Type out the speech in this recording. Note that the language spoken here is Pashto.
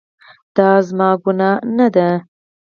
دا زما ګناه نه ده